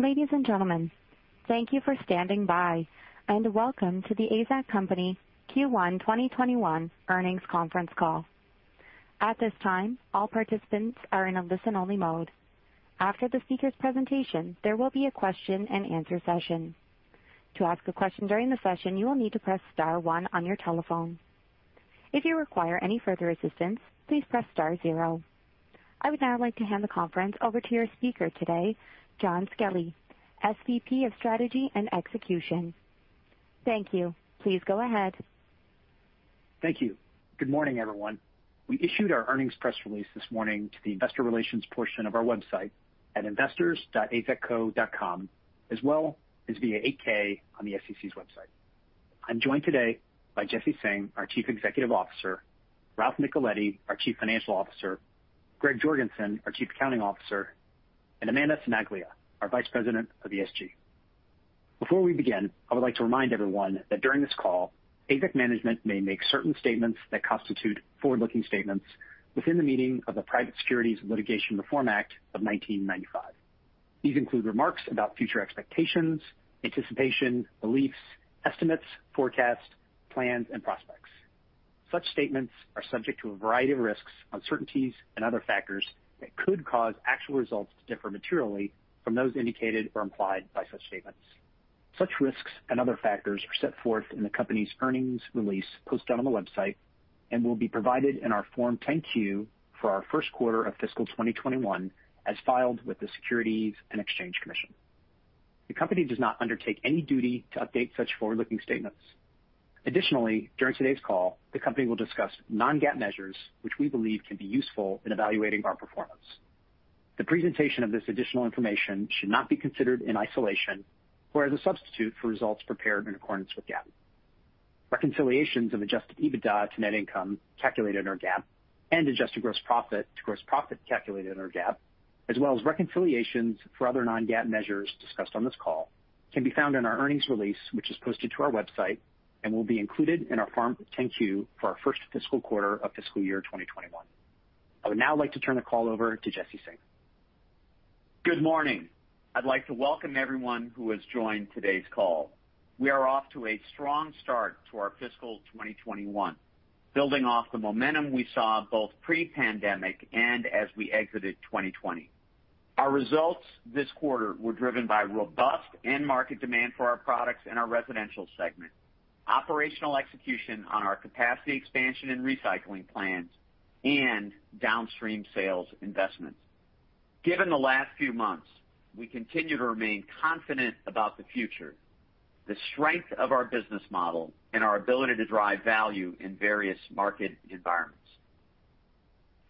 Ladies and gentlemen, thank you for standing by, and welcome to The AZEK Company Q1 2021 earnings conference call. I would now like to hand the conference over to your speaker today, Jon Skelly, SVP of Strategy and Execution. Thank you. Please go ahead. Thank you. Good morning, everyone. We issued our earnings press release this morning to the investor relations portion of our website at investors.azekco.com, as well as via 8-K on the SEC's website. I'm joined today by Jesse Singh, our Chief Executive Officer, Ralph Nicoletti, our Chief Financial Officer, Gregory Jorgensen, our Chief Accounting Officer, and Amanda Cimaglia, our Vice President of ESG. Before we begin, I would like to remind everyone that during this call, AZEK management may make certain statements that constitute forward-looking statements within the meaning of the Private Securities Litigation Reform Act of 1995. These include remarks about future expectations, anticipation, beliefs, estimates, forecasts, plans, and prospects. Such statements are subject to a variety of risks, uncertainties, and other factors that could cause actual results to differ materially from those indicated or implied by such statements. Such risks and other factors are set forth in the company's earnings release posted on the website and will be provided in our Form 10-Q for our first quarter of fiscal 2021 as filed with the Securities and Exchange Commission. The company does not undertake any duty to update such forward-looking statements. During today's call, the company will discuss non-GAAP measures which we believe can be useful in evaluating our performance. The presentation of this additional information should not be considered in isolation or as a substitute for results prepared in accordance with GAAP. Reconciliations of adjusted EBITDA to net income calculated under GAAP and adjusted gross profit to gross profit calculated under GAAP, as well as reconciliations for other non-GAAP measures discussed on this call, can be found in our earnings release, which is posted to our website and will be included in our Form 10-Q for our first fiscal quarter of fiscal year 2021. I would now like to turn the call over to Jesse Singh. Good morning. I'd like to welcome everyone who has joined today's call. We are off to a strong start to our fiscal 2021, building off the momentum we saw both pre-pandemic and as we exited 2020. Our results this quarter were driven by robust end market demand for our products in our residential segment, operational execution on our capacity expansion and recycling plans, and downstream sales investments. Given the last few months, we continue to remain confident about the future, the strength of our business model, and our ability to drive value in various market environments.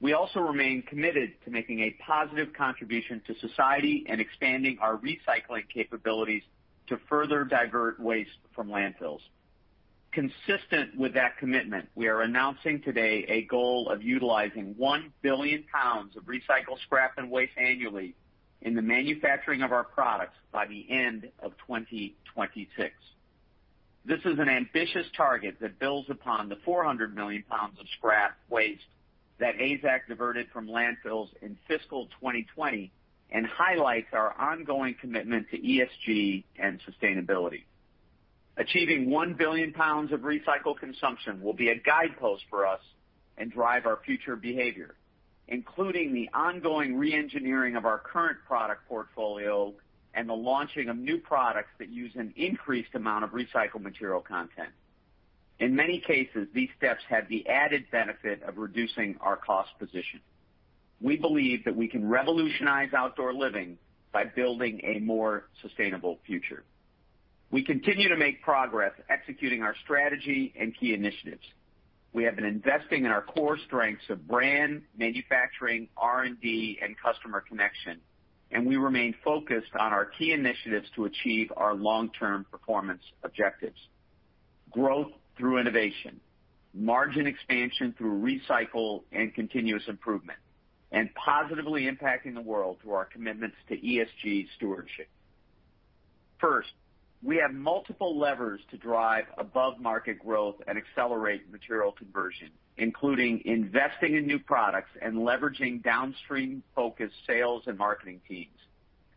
We also remain committed to making a positive contribution to society and expanding our recycling capabilities to further divert waste from landfills. Consistent with that commitment, we are announcing today a goal of utilizing 1 billion pounds of recycled scrap and waste annually in the manufacturing of our products by the end of 2026. This is an ambitious target that builds upon the 400 million pounds of scrap waste that AZEK diverted from landfills in fiscal 2020 and highlights our ongoing commitment to ESG and sustainability. Achieving 1 billion pounds of recycled consumption will be a guidepost for us and drive our future behavior, including the ongoing re-engineering of our current product portfolio and the launching of new products that use an increased amount of recycled material content. In many cases, these steps have the added benefit of reducing our cost position. We believe that we can revolutionize outdoor living by building a more sustainable future. We continue to make progress executing our strategy and key initiatives. We have been investing in our core strengths of brand, manufacturing, R&D, and customer connection, and we remain focused on our key initiatives to achieve our long-term performance objectives. Growth through innovation, margin expansion through recycle and continuous improvement, and positively impacting the world through our commitments to ESG stewardship. First, we have multiple levers to drive above-market growth and accelerate material conversion, including investing in new products and leveraging downstream-focused sales and marketing teams.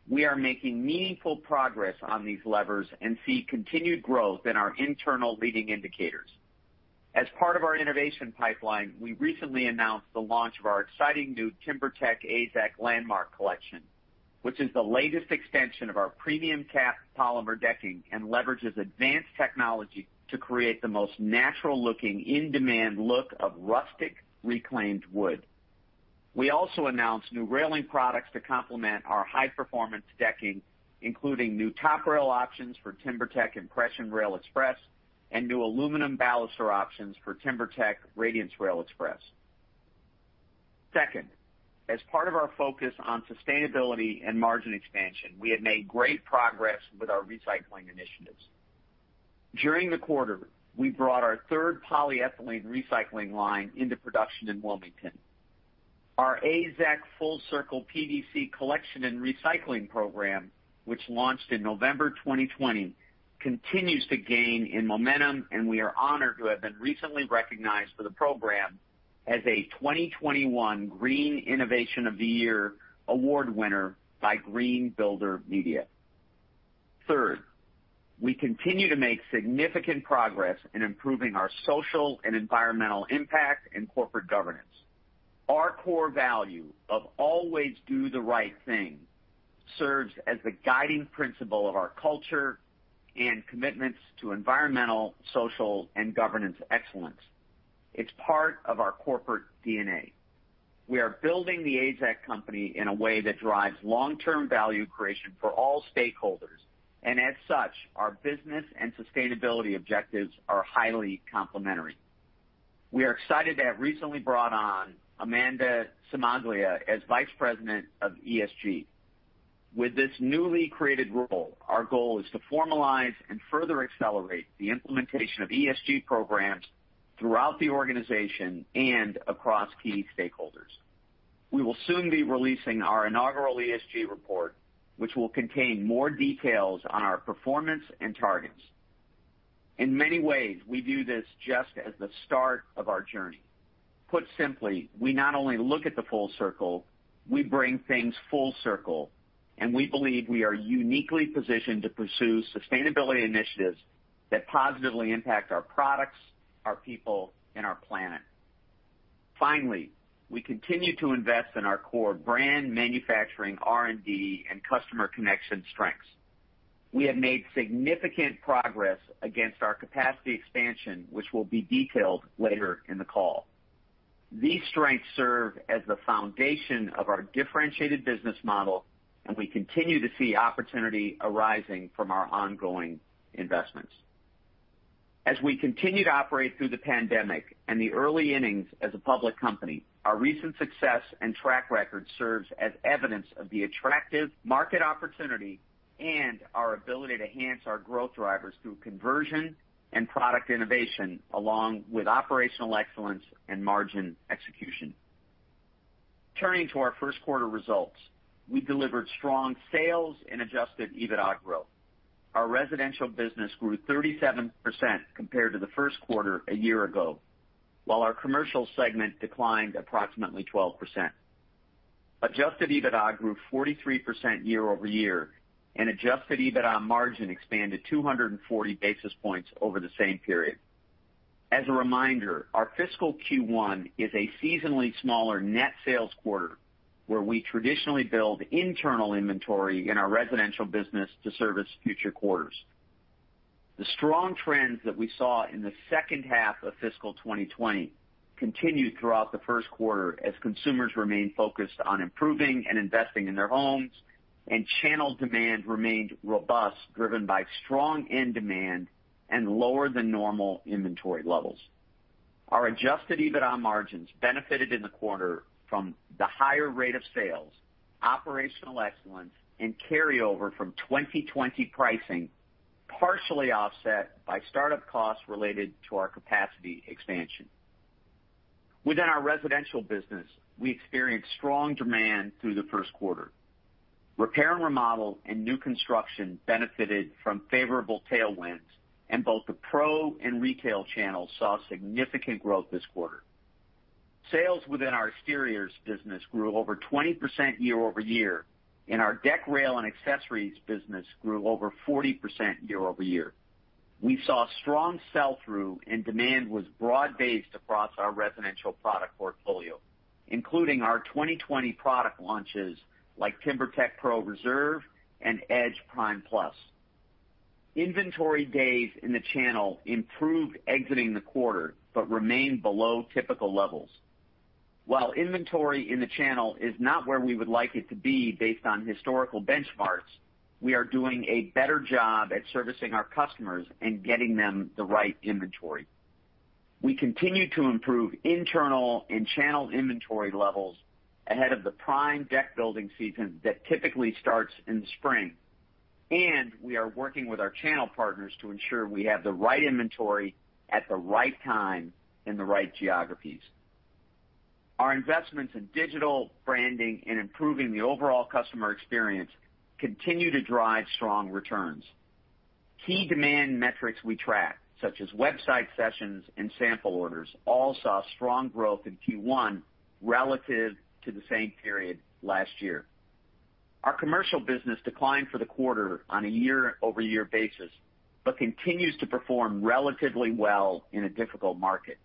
We are making meaningful progress on these levers and see continued growth in our internal leading indicators. As part of our innovation pipeline, we recently announced the launch of our exciting new TimberTech AZEK Landmark Collection, which is the latest extension of our premium capped polymer decking and leverages advanced technology to create the most natural-looking, in-demand look of rustic reclaimed wood. We also announced new railing products to complement our high-performance decking, including new top rail options for TimberTech Impression Rail Express and new aluminum baluster options for TimberTech RadianceRail Express. Second, as part of our focus on sustainability and margin expansion, we have made great progress with our recycling initiatives. During the quarter, we brought our third polyethylene recycling line into production in Wilmington. Our AZEK FULL-CIRCLE PVC collection and Recycling Program, which launched in November 2020, continues to gain in momentum, and we are honored to have been recently recognized for the program as a 2021 Green Innovation of the Year Award winner by Green Builder Media. Third, we continue to make significant progress in improving our social and environmental impact and corporate governance. Our core value of always do the right thing serves as the guiding principle of our culture and commitments to environmental, social, and governance excellence. It's part of our corporate DNA. We are building The AZEK Company in a way that drives long-term value creation for all stakeholders. As such, our business and sustainability objectives are highly complementary. We are excited to have recently brought on Amanda Cimaglia as Vice President of ESG. With this newly created role, our goal is to formalize and further accelerate the implementation of ESG programs throughout the organization and across key stakeholders. We will soon be releasing our inaugural ESG report, which will contain more details on our performance and targets. In many ways, we view this just as the start of our journey. Put simply, we not only look at the full circle, we bring things full circle. We believe we are uniquely positioned to pursue sustainability initiatives that positively impact our products, our people, and our planet. Finally, we continue to invest in our core brand manufacturing, R&D, and customer connection strengths. We have made significant progress against our capacity expansion, which will be detailed later in the call. These strengths serve as the foundation of our differentiated business model, and we continue to see opportunity arising from our ongoing investments. As we continue to operate through the pandemic and the early innings as a public company, our recent success and track record serves as evidence of the attractive market opportunity and our ability to enhance our growth drivers through conversion and product innovation, along with operational excellence and margin execution. Turning to our first quarter results, we delivered strong sales and adjusted EBITDA growth. Our residential business grew 37% compared to the first quarter a year ago, while our Commercial segment declined approximately 12%. Adjusted EBITDA grew 43% year-over-year, adjusted EBITDA margin expanded 240 basis points over the same period. As a reminder, our fiscal Q1 is a seasonally smaller net sales quarter, where we traditionally build internal inventory in our residential business to service future quarters. The strong trends that we saw in the second half of fiscal 2020 continued throughout the first quarter as consumers remained focused on improving and investing in their homes, and channel demand remained robust, driven by strong end demand and lower than normal inventory levels. Our adjusted EBITDA margins benefited in the quarter from the higher rate of sales, operational excellence, and carryover from 2020 pricing, partially offset by start-up costs related to our capacity expansion. Within our residential business, we experienced strong demand through the first quarter. Repair and remodel and new construction benefited from favorable tailwinds, and both the pro and retail channels saw significant growth this quarter. Sales within our exteriors business grew over 20% year-over-year, and our deck, rail, and accessories business grew over 40% year-over-year. We saw strong sell-through, and demand was broad-based across our residential product portfolio, including our 2020 product launches like TimberTech PRO Reserve and E Prime+. Inventory days in the channel improved exiting the quarter but remained below typical levels. While inventory in the channel is not where we would like it to be based on historical benchmarks, we are doing a better job at servicing our customers and getting them the right inventory. We continue to improve internal and channel inventory levels ahead of the prime deck-building season that typically starts in spring. We are working with our channel partners to ensure we have the right inventory at the right time in the right geographies. Our investments in digital branding and improving the overall customer experience continue to drive strong returns. Key demand metrics we track, such as website sessions and sample orders, all saw strong growth in Q1 relative to the same period last year. Our commercial business declined for the quarter on a year-over-year basis but continues to perform relatively well in a difficult market.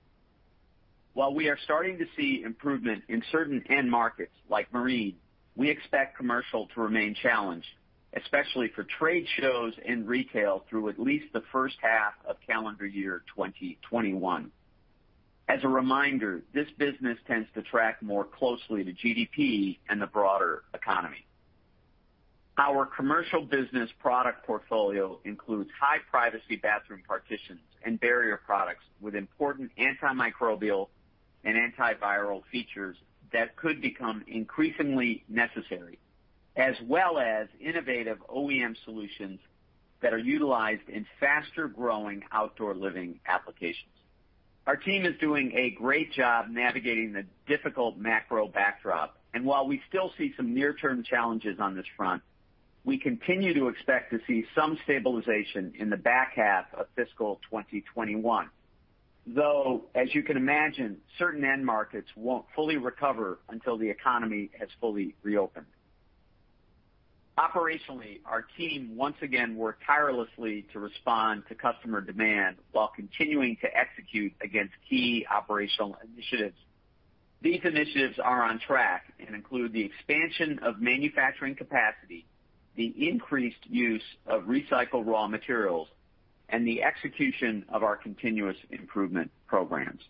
While we are starting to see improvement in certain end markets like marine, we expect commercial to remain challenged, especially for trade shows and retail through at least the first half of calendar year 2021. As a reminder, this business tends to track more closely to GDP and the broader economy. Our commercial business product portfolio includes high-privacy bathroom partitions and barrier products with important antimicrobial and antiviral features that could become increasingly necessary, as well as innovative OEM solutions that are utilized in faster-growing outdoor living applications. Our team is doing a great job navigating the difficult macro backdrop. While we still see some near-term challenges on this front, we continue to expect to see some stabilization in the back half of fiscal 2021. As you can imagine, certain end markets won't fully recover until the economy has fully reopened. Operationally, our team once again worked tirelessly to respond to customer demand while continuing to execute against key operational initiatives. These initiatives are on track and include the expansion of manufacturing capacity, the increased use of recycled raw materials, and the execution of our continuous improvement programs.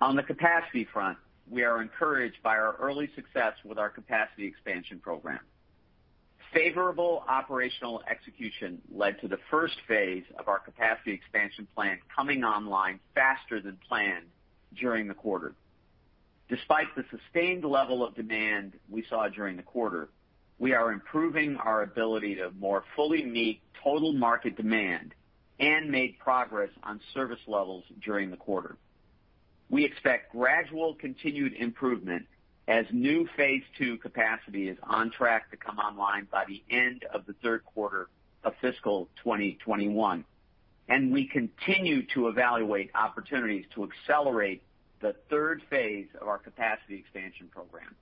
On the capacity front, we are encouraged by our early success with our capacity expansion program. Favorable operational execution led to the first phase of our capacity expansion plan coming online faster than planned during the quarter. Despite the sustained level of demand we saw during the quarter, we are improving our ability to more fully meet total market demand and made progress on service levels during the quarter. We expect gradual continued improvement as new phase II capacity is on track to come online by the end of the third quarter of fiscal 2021, and we continue to evaluate opportunities to accelerate the third phase of our capacity expansion program.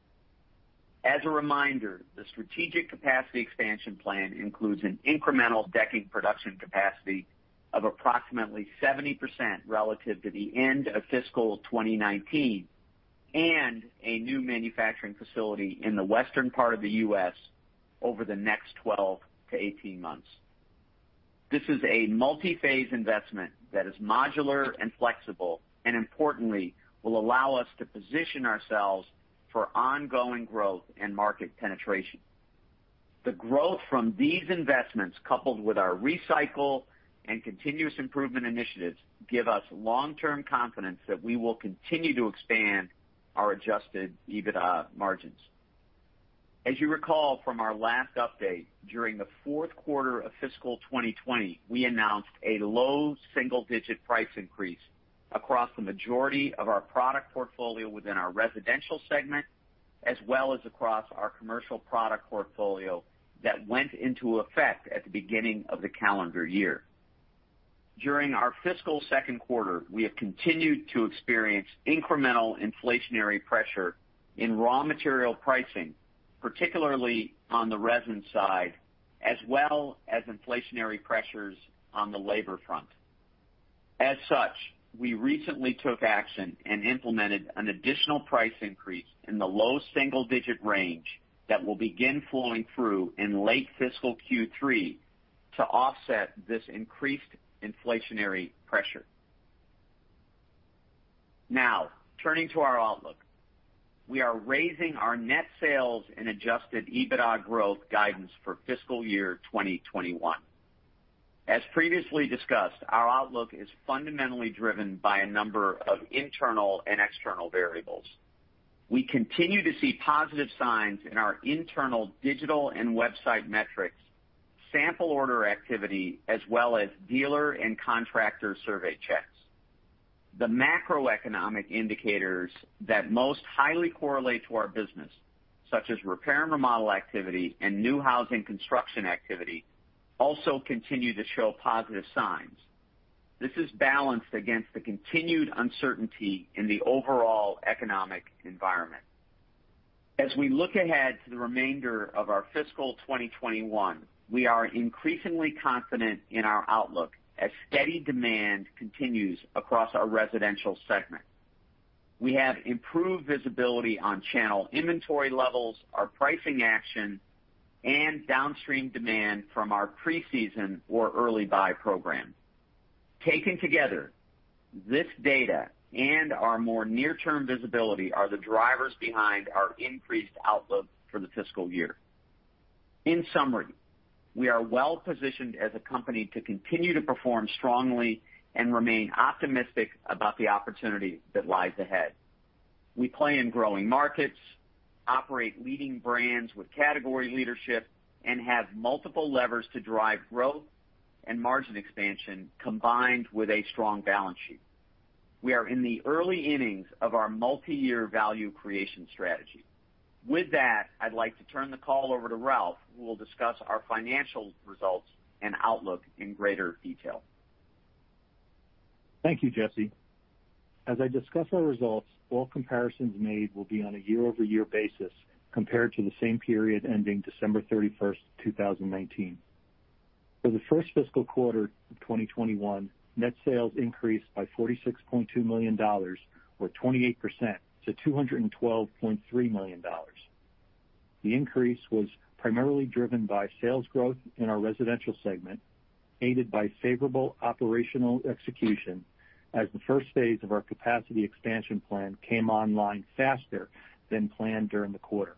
As a reminder, the strategic capacity expansion plan includes an incremental decking production capacity of approximately 70% relative to the end of fiscal 2019, and a new manufacturing facility in the western part of the U.S. over the next 12-18 months. This is a multi-phase investment that is modular and flexible, and importantly, will allow us to position ourselves for ongoing growth and market penetration. The growth from these investments, coupled with our recycle and continuous improvement initiatives, give us long-term confidence that we will continue to expand our adjusted EBITDA margins. As you recall from our last update, during the fourth quarter of fiscal 2020, we announced a low single-digit price increase across the majority of our product portfolio within our Residential segment, as well as across our Commercial product portfolio that went into effect at the beginning of the calendar year. During our fiscal second quarter, we have continued to experience incremental inflationary pressure in raw material pricing, particularly on the resin side, as well as inflationary pressures on the labor front. As such, we recently took action and implemented an additional price increase in the low single-digit range that will begin flowing through in late fiscal Q3 to offset this increased inflationary pressure. Now, turning to our outlook. We are raising our net sales and adjusted EBITDA growth guidance for fiscal year 2021. As previously discussed, our outlook is fundamentally driven by a number of internal and external variables. We continue to see positive signs in our internal digital and website metrics, sample order activity, as well as dealer and contractor survey checks. The macroeconomic indicators that most highly correlate to our business, such as repair and remodel activity and new housing construction activity, also continue to show positive signs. This is balanced against the continued uncertainty in the overall economic environment. As we look ahead to the remainder of our fiscal 2021, we are increasingly confident in our outlook as steady demand continues across our residential segment. We have improved visibility on channel inventory levels, our pricing action, and downstream demand from our pre-season or early buy program. Taken together, this data and our more near-term visibility are the drivers behind our increased outlook for the fiscal year. In summary, we are well-positioned as a company to continue to perform strongly and remain optimistic about the opportunity that lies ahead. We play in growing markets, operate leading brands with category leadership, and have multiple levers to drive growth and margin expansion combined with a strong balance sheet. We are in the early innings of our multi-year value creation strategy. With that, I'd like to turn the call over to Ralph, who will discuss our financial results and outlook in greater detail. Thank you, Jesse. As I discuss our results, all comparisons made will be on a year-over-year basis compared to the same period ending December 31st, 2019. For the first fiscal quarter of 2021, net sales increased by $46.2 million, or 28%, to $212.3 million. The increase was primarily driven by sales growth in our Residential Segment, aided by favorable operational execution as the first phase of our capacity expansion plan came online faster than planned during the quarter.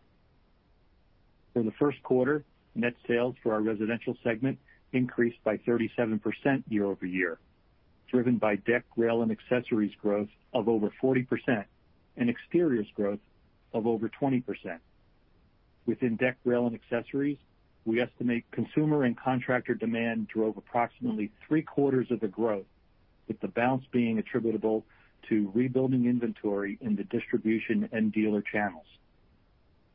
For the first quarter, net sales for our Residential Segment increased by 37% year-over-year, driven by deck, rail, and accessories growth of over 40% and exteriors growth of over 20%. Within deck, rail, and accessories, we estimate consumer and contractor demand drove approximately three-quarters of the growth. With the bounce being attributable to rebuilding inventory in the distribution and dealer channels.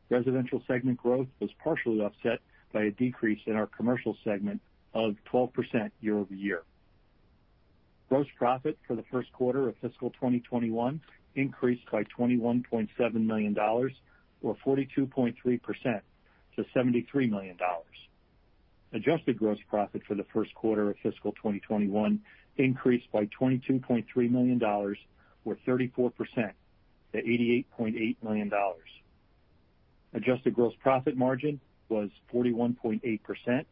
Residential segment growth was partially offset by a decrease in our Commercial segment of 12% year-over-year. Gross profit for the first quarter of fiscal 2021 increased by $21.7 million, or 42.3%, to $73 million. Adjusted gross profit for the first quarter of fiscal 2021 increased by $22.3 million or 34% to $88.8 million. Adjusted gross profit margin was 41.8%, an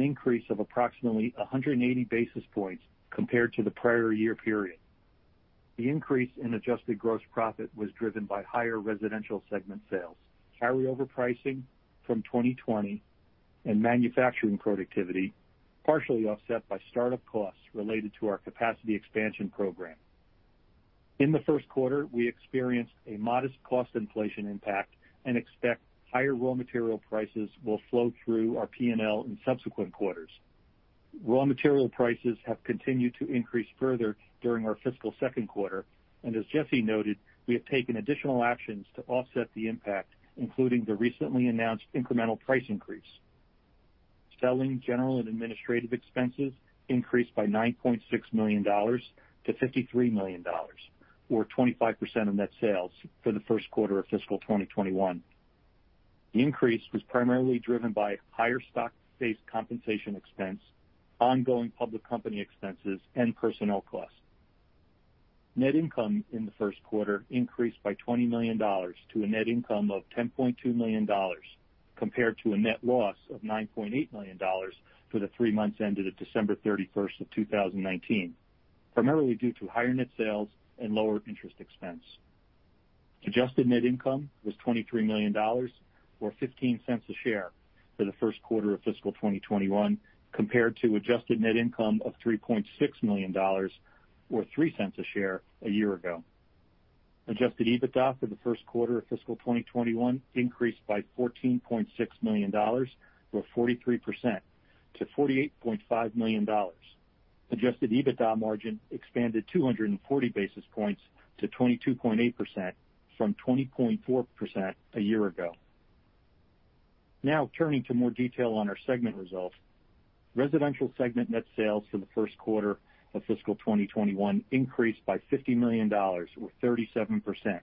increase of approximately 180 basis points compared to the prior year period. The increase in adjusted gross profit was driven by higher residential segment sales, carryover pricing from 2020, and manufacturing productivity, partially offset by start-up costs related to our capacity expansion program. In the first quarter, we experienced a modest cost inflation impact and expect higher raw material prices will flow through our P&L in subsequent quarters. Raw material prices have continued to increase further during our fiscal second quarter, and as Jesse noted, we have taken additional actions to offset the impact, including the recently announced incremental price increase. Selling, general, and administrative expenses increased by $9.6 million to $53 million, or 25% of net sales for the first quarter of fiscal 2021. The increase was primarily driven by higher stock-based compensation expense, ongoing public company expenses, and personnel costs. Net income in the first quarter increased by $20 million to a net income of $10.2 million, compared to a net loss of $9.8 million for the three months ended at December 31st of 2019, primarily due to higher net sales and lower interest expense. Adjusted net income was $23 million, or $0.15 a share for the first quarter of fiscal 2021, compared to adjusted net income of $3.6 million or $0.03 a share a year ago. Adjusted EBITDA for the first quarter of fiscal 2021 increased by $14.6 million or 43% to $48.5 million. Adjusted EBITDA margin expanded 240 basis points to 22.8% from 20.4% a year ago. Turning to more detail on our segment results. Residential segment net sales for the first quarter of fiscal 2021 increased by $50 million or 37%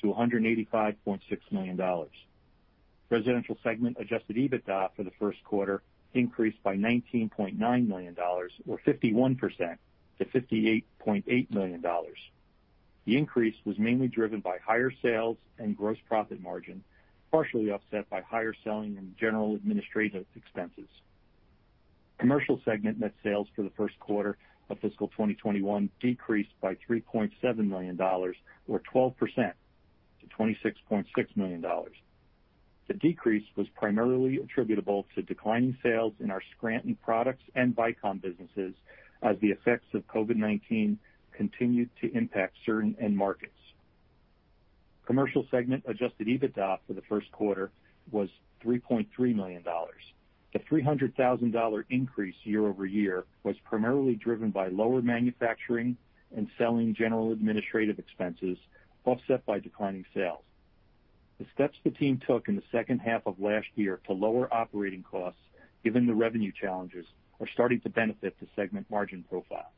to $185.6 million. Residential segment adjusted EBITDA for the first quarter increased by $19.9 million or 51% to $58.8 million. The increase was mainly driven by higher sales and gross profit margin, partially offset by higher selling and general administrative expenses. Commercial segment net sales for the first quarter of fiscal 2021 decreased by $3.7 million or 12% to $26.6 million. The decrease was primarily attributable to declining sales in our Scranton Products and Vycom businesses as the effects of COVID-19 continued to impact certain end markets. Commercial segment adjusted EBITDA for the first quarter was $3.3 million. The $300,000 increase year-over-year was primarily driven by lower manufacturing and selling, general and administrative expenses, offset by declining sales. The steps the team took in the second half of last year to lower operating costs, given the revenue challenges, are starting to benefit the segment margin profile.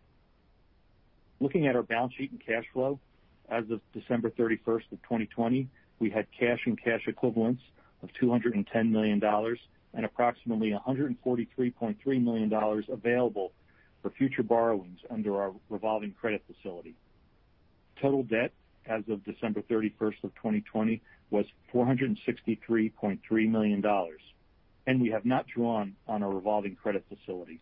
Looking at our balance sheet and cash flow. As of December 31st, 2020, we had cash and cash equivalents of $210 million and approximately $143.3 million available for future borrowings under our revolving credit facility. Total debt as of December 31st of 2020 was $463.3 million. We have not drawn on our revolving credit facility.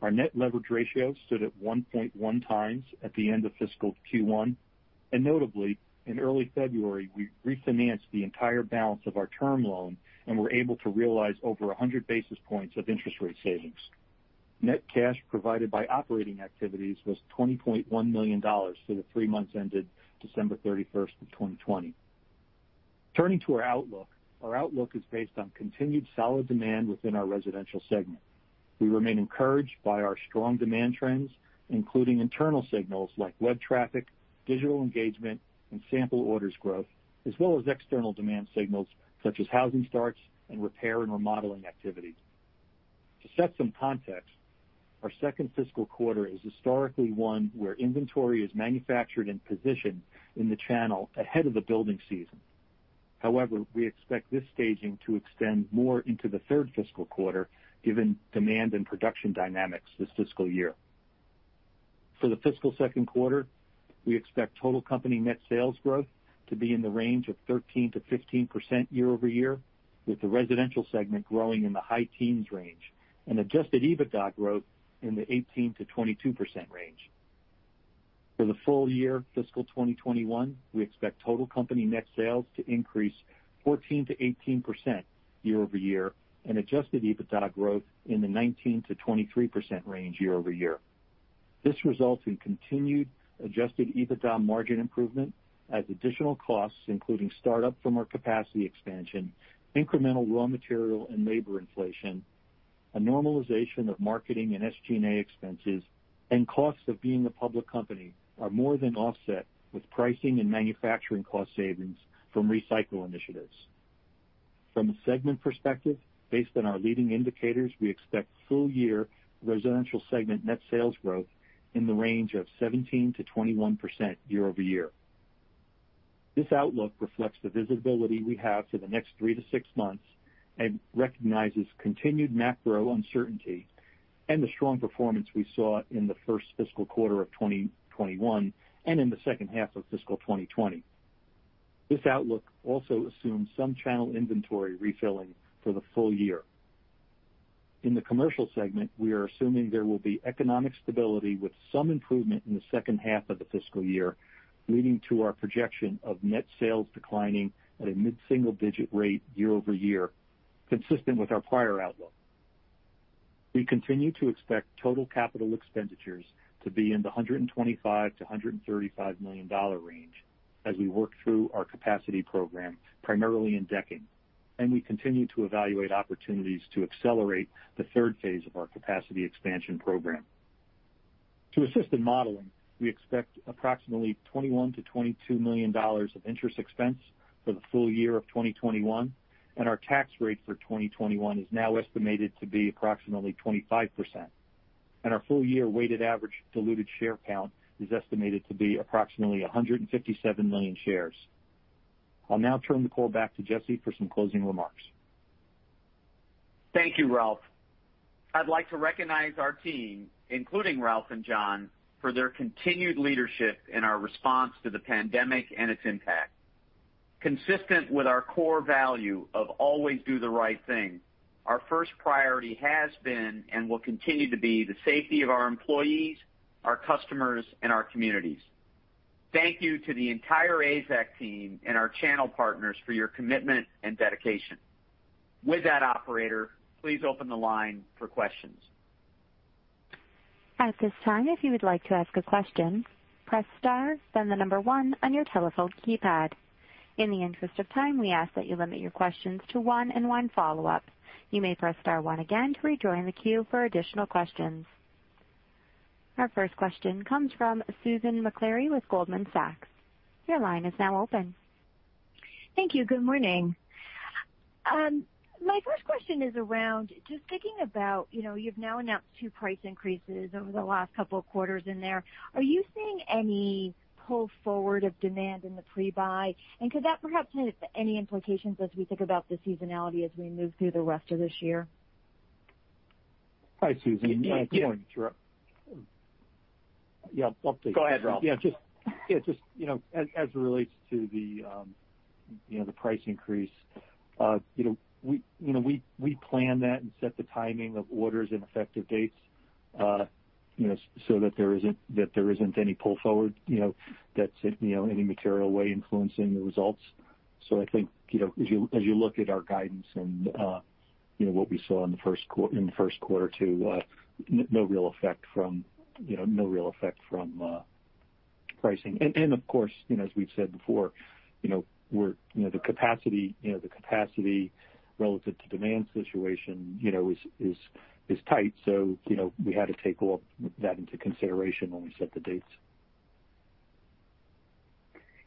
Our net leverage ratio stood at 1.1x at the end of fiscal Q1. Notably, in early February, we refinanced the entire balance of our term loan and were able to realize over 100 basis points of interest rate savings. Net cash provided by operating activities was $20.1 million for the three months ended December 31st of 2020. Turning to our outlook. Our outlook is based on continued solid demand within our residential segment. We remain encouraged by our strong demand trends, including internal signals like web traffic, digital engagement, and sample orders growth, as well as external demand signals such as housing starts and repair and remodeling activities. To set some context, our second fiscal quarter is historically one where inventory is manufactured and positioned in the channel ahead of the building season. However, we expect this staging to extend more into the third fiscal quarter given demand and production dynamics this fiscal year. For the fiscal second quarter, we expect total company net sales growth to be in the range of 13%-15% year-over-year, with the residential segment growing in the high teens range and adjusted EBITDA growth in the 18%-22% range. For the full year fiscal 2021, we expect total company net sales to increase 14%-18% year-over-year and adjusted EBITDA growth in the 19%-23% range year-over-year. This results in continued adjusted EBITDA margin improvement as additional costs, including start-up from our capacity expansion, incremental raw material and labor inflation, a normalization of marketing and SG&A expenses and costs of being a public company are more than offset with pricing and manufacturing cost savings from recycle initiatives. From a segment perspective, based on our leading indicators, we expect full year residential segment net sales growth in the range of 17%-21% year-over-year. This outlook reflects the visibility we have to the next three to six months and recognizes continued macro uncertainty and the strong performance we saw in the first fiscal quarter of 2021 and in the second half of fiscal 2020. This outlook also assumes some channel inventory refilling for the full year. In the Commercial segment, we are assuming there will be economic stability with some improvement in the second half of the fiscal year, leading to our projection of net sales declining at a mid-single-digit rate year-over-year, consistent with our prior outlook. We continue to expect total capital expenditures to be in the $125 million-$135 million range as we work through our capacity program, primarily in decking. We continue to evaluate opportunities to accelerate the third phase of our capacity expansion program. To assist in modeling, we expect approximately $21 million-$22 million of interest expense for the full year of 2021. Our tax rate for 2021 is now estimated to be approximately 25%. Our full-year weighted average diluted share count is estimated to be approximately 157 million shares. I'll now turn the call back to Jesse for some closing remarks. Thank you, Ralph. I'd like to recognize our team, including Ralph and Jon, for their continued leadership in our response to the pandemic and its impact. Consistent with our core value of always do the right thing, our first priority has been and will continue to be the safety of our employees, our customers, and our communities. Thank you to the entire AZEK team and our channel partners for your commitment and dedication. With that, operator, please open the line for questions. In the interest of time, we ask that you limit your questions to one and one follow-up. You may press star one again to rejoin the queue for additional questions. Our first question comes from Susan Maklari with Goldman Sachs. Your line is now open. Thank you. Good morning. My first question is around just thinking about you've now announced two price increases over the last couple of quarters in there. Are you seeing any pull forward of demand in the pre-buy? Could that perhaps have any implications as we think about the seasonality as we move through the rest of this year? Hi, Susan. Good morning. Sure. Yeah. Go ahead, Ralph. Just as it relates to the price increase. We plan that and set the timing of orders and effective dates so that there isn't any pull forward that's in any material way influencing the results. I think, as you look at our guidance and what we saw in the first quarter, too, no real effect from pricing. Of course, as we've said before, the capacity relative to demand situation is tight. We had to take all that into consideration when we set the dates.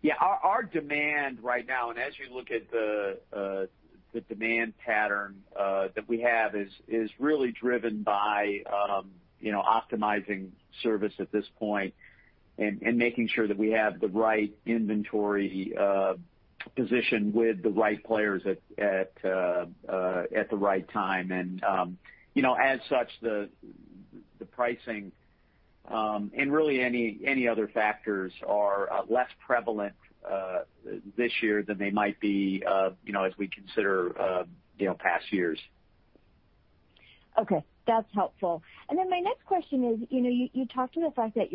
Yeah. Our demand right now, and as you look at the demand pattern that we have, is really driven by optimizing service at this point and making sure that we have the right inventory position with the right players at the right time. As such, the pricing, and really any other factors are less prevalent this year than they might be as we consider past years. Okay. That's helpful. My next question is, you talked to the fact that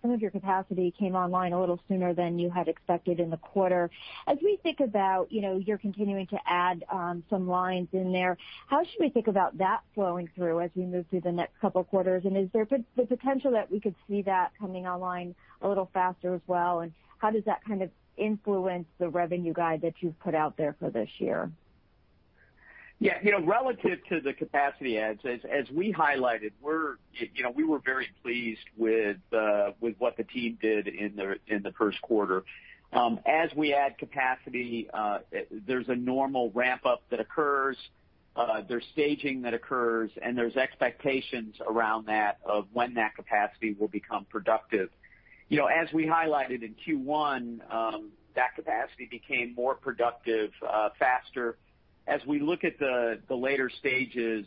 some of your capacity came online a little sooner than you had expected in the quarter. As we think about you're continuing to add some lines in there, how should we think about that flowing through as we move through the next couple of quarters? Is there the potential that we could see that coming online a little faster as well? How does that kind of influence the revenue guide that you've put out there for this year? Yeah. Relative to the capacity adds, as we highlighted, we were very pleased with what the team did in the first quarter. As we add capacity, there's a normal ramp-up that occurs, there's staging that occurs, and there's expectations around that of when that capacity will become productive. As we highlighted in Q1, that capacity became more productive faster. As we look at the later stages,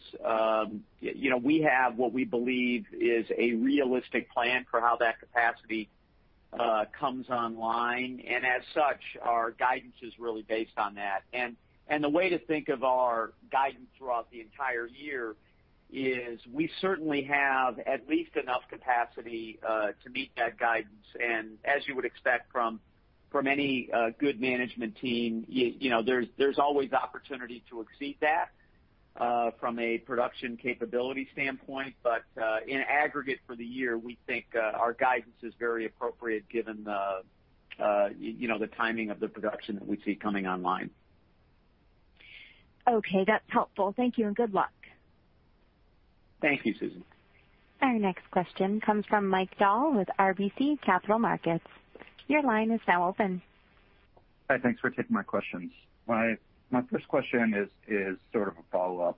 we have what we believe is a realistic plan for how that capacity comes online, and as such, our guidance is really based on that. The way to think of our guidance throughout the entire year is we certainly have at least enough capacity to meet that guidance. As you would expect from any good management team, there's always opportunity to exceed that from a production capability standpoint. In aggregate for the year, we think our guidance is very appropriate given the timing of the production that we see coming online. Okay. That's helpful. Thank you, and good luck. Thank you, Susan. Our next question comes from Mike Dahl with RBC Capital Markets. Your line is now open. Hi. Thanks for taking my questions. My first question is sort of a follow-up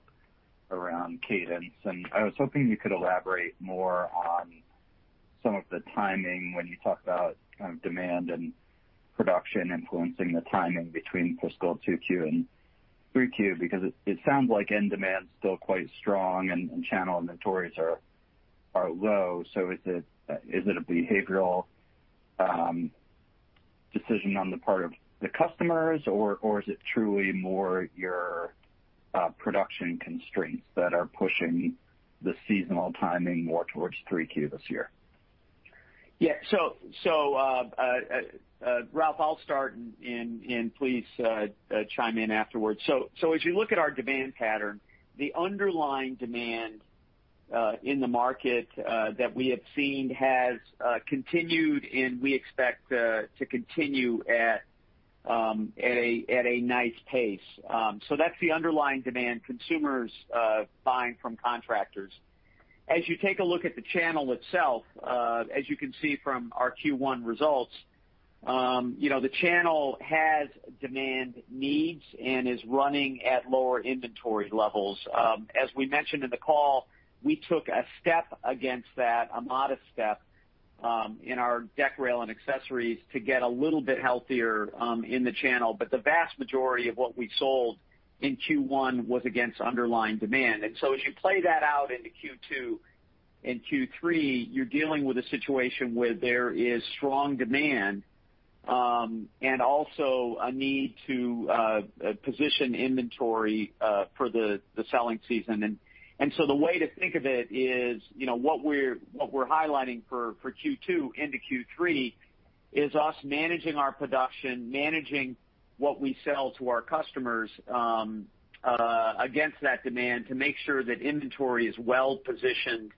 around cadence. I was hoping you could elaborate more on some of the timing when you talked about demand and production influencing the timing between fiscal Q2 and 3Q, because it sounds like end demand's still quite strong and channel inventories are low. Is it a behavioral decision on the part of the customers, or is it truly more your production constraints that are pushing the seasonal timing more towards 3Q this year? Yeah. Ralph, I'll start and please chime in afterwards. As you look at our demand pattern, the underlying demand in the market that we have seen has continued, and we expect to continue at a nice pace. That's the underlying demand, consumers buying from contractors. As you take a look at the channel itself, as you can see from our Q1 results, the channel has demand needs and is running at lower inventory levels. As we mentioned in the call, we took a step against that, a modest step, in our deck, rail, and accessories to get a little bit healthier in the channel. The vast majority of what we sold in Q1 was against underlying demand. As you play that out into Q2 and Q3, you're dealing with a situation where there is strong demand, and also a need to position inventory for the selling season. The way to think of it is, what we're highlighting for Q2 into Q3 is us managing our production, managing what we sell to our customers against that demand to make sure that inventory is well-positioned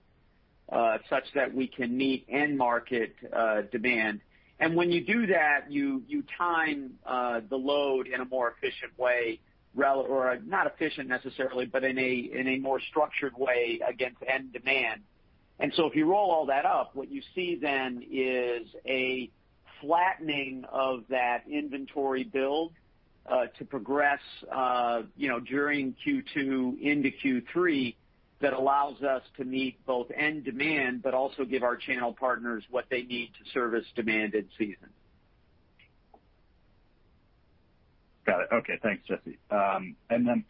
such that we can meet end market demand. When you do that, you time the load in a more efficient way. Not efficient necessarily, but in a more structured way against end demand. If you roll all that up, what you see then is a flattening of that inventory build to progress during Q2 into Q3 that allows us to meet both end demand, but also give our channel partners what they need to service demand in season. Got it. Okay. Thanks, Jesse.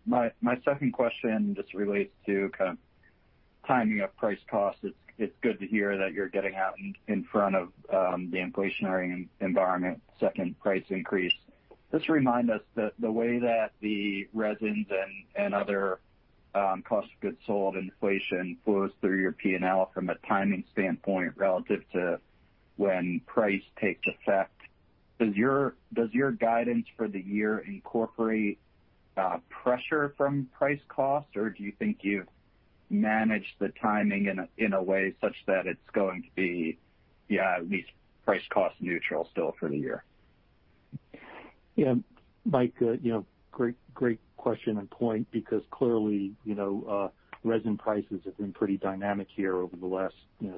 My second question just relates to timing of price cost. It's good to hear that you're getting out in front of the inflationary environment second price increase. Just remind us the way that the resins and other cost of goods sold inflation flows through your P&L from a timing standpoint relative to when price takes effect. Does your guidance for the year incorporate pressure from price cost, or do you think you've managed the timing in a way such that it's going to be at least price cost neutral still for the year? Yeah. Mike, great question and point. Clearly, resin prices have been pretty dynamic here over the last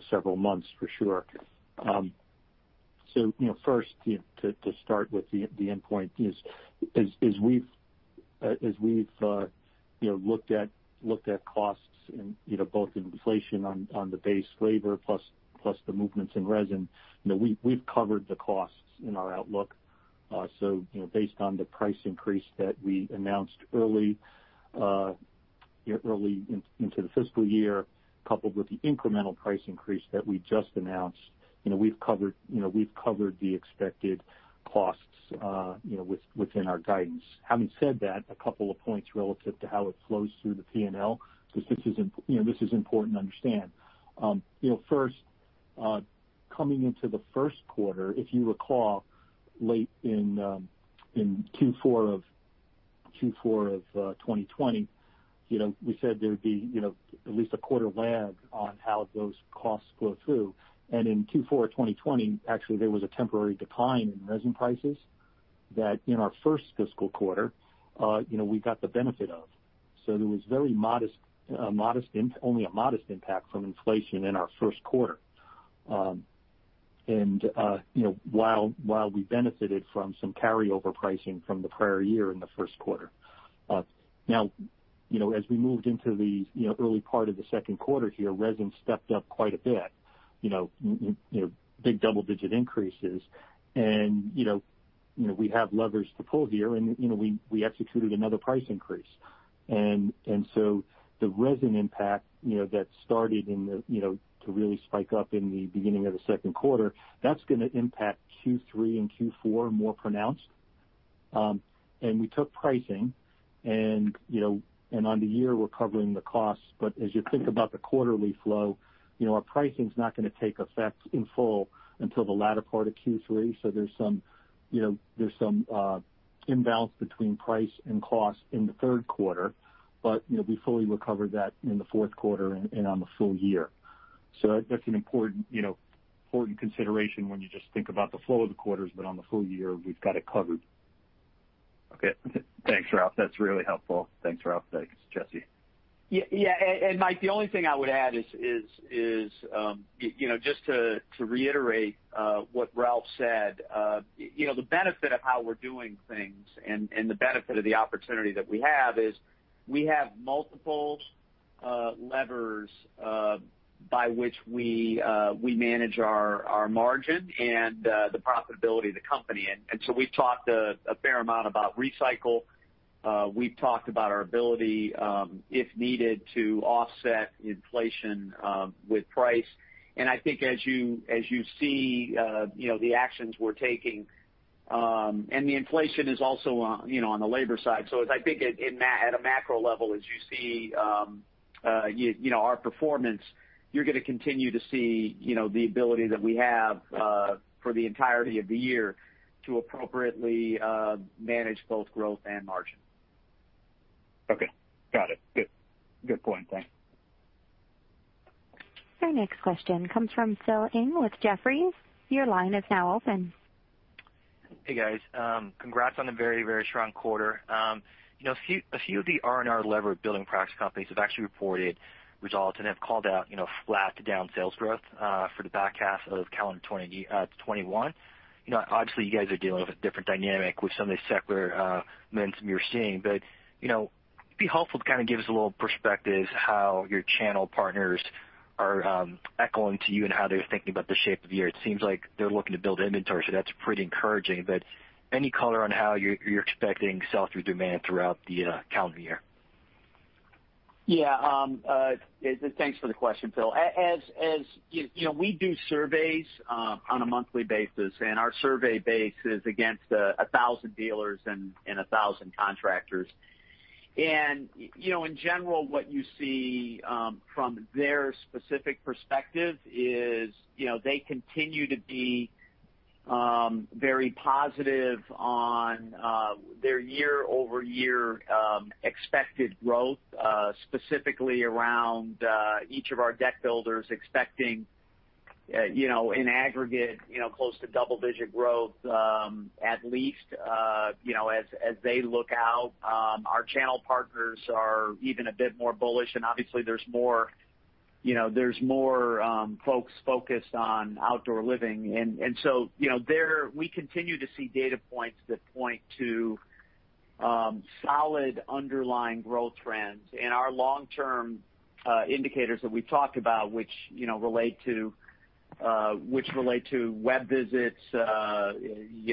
several months for sure. First, to start with the end point is, as we've looked at costs in both inflation on the base labor plus the movements in resin, we've covered the costs in our outlook. Based on the price increase that we announced early into the fiscal year, coupled with the incremental price increase that we just announced, we've covered the expected costs within our guidance. Having said that, a couple of points relative to how it flows through the P&L. This is important to understand. First, coming into the first quarter, if you recall, late in Q4 of 2020, we said there would be at least a quarter lag on how those costs flow through. In Q4 of 2020, actually, there was a temporary decline in resin prices that in our first fiscal quarter, we got the benefit of. There was only a modest impact from inflation in our first quarter. While we benefited from some carryover pricing from the prior year in the first quarter. As we moved into the early part of the second quarter here, resin stepped up quite a bit. Big double-digit increases. We have levers to pull here, and we executed another price increase. The resin impact that started to really spike up in the beginning of the second quarter, that's going to impact Q3 and Q4 more pronounced. We took pricing, and on the year, we're covering the costs. As you think about the quarterly flow, our pricing's not going to take effect in full until the latter part of Q3. There's some imbalance between price and cost in the third quarter. We fully recover that in the fourth quarter and on the full year. That's an important consideration when you just think about the flow of the quarters, but on the full year, we've got it covered. Okay. Thanks, Ralph. That's really helpful. Thanks, Ralph. Thanks, Jesse. Yeah. Mike, the only thing I would add is just to reiterate what Ralph said. The benefit of how we're doing things and the benefit of the opportunity that we have is we have multiple levers by which we manage our margin and the profitability of the company. We've talked a fair amount about recycle. We've talked about our ability, if needed, to offset inflation with price. I think as you see the actions we're taking, and the inflation is also on the labor side. I think at a macro level, as you see our performance, you're going to continue to see the ability that we have for the entirety of the year to appropriately manage both growth and margin. Okay. Got it. Good point. Thanks. Our next question comes from Philip Ng with Jefferies. Your line is now open. Hey, guys. Congrats on a very strong quarter. A few of the R&R levered building products companies have actually reported results and have called out flat to down sales growth for the back half of calendar 2021. Obviously, you guys are dealing with a different dynamic with some of the secular momentum you're seeing. It'd be helpful to kind of give us a little perspective how your channel partners are echoing to you and how they're thinking about the shape of the year. It seems like they're looking to build inventory, that's pretty encouraging, any color on how you're expecting sell-through demand throughout the calendar year? Yeah. Thanks for the question, Phil. We do surveys on a monthly basis, and our survey base is against 1,000 dealers and 1,000 contractors. In general, what you see from their specific perspective is they continue to be very positive on their year-over-year expected growth, specifically around each of our deck builders expecting in aggregate close to double-digit growth at least as they look out. Our channel partners are even a bit more bullish, and obviously there's more folks focused on outdoor living. So we continue to see data points that point to solid underlying growth trends. Our long-term indicators that we've talked about, which relate to web visits,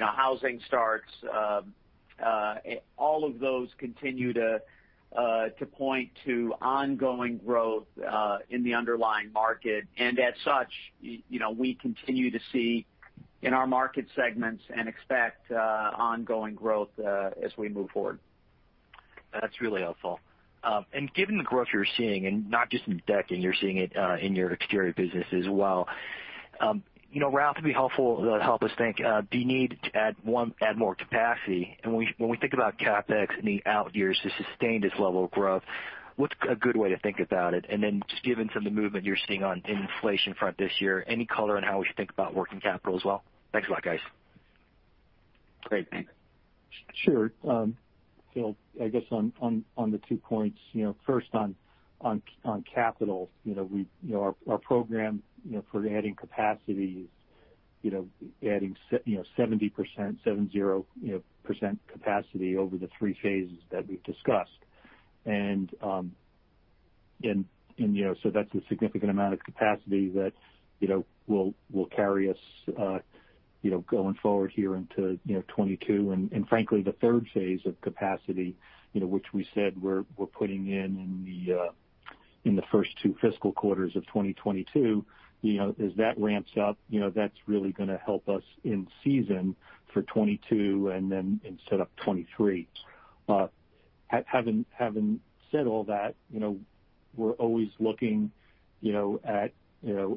housing starts, all of those continue to point to ongoing growth in the underlying market. As such, we continue to see in our market segments and expect ongoing growth as we move forward. That's really helpful. Given the growth you're seeing, not just in decking, you're seeing it in your exterior business as well. Ralph, it'd be helpful, help us think, do you need to add more capacity? When we think about CapEx in the out years to sustain this level of growth, what's a good way to think about it? Then just given some of the movement you're seeing on inflation front this year, any color on how we should think about working capital as well? Thanks a lot, guys. Great, thanks. Sure. Phil, I guess on the two points. First on capital. Our program for adding capacity is adding 70% capacity over the three phases that we've discussed. That's a significant amount of capacity that will carry us going forward here into 2022. Frankly, the third phase of capacity which we said we're putting in the first two fiscal quarters of 2022, as that ramps up, that's really going to help us in season for 2022 and then set up 2023. Having said all that, we're always looking at